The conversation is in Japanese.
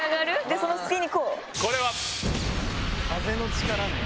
で、これは？